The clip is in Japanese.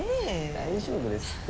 大丈夫ですって。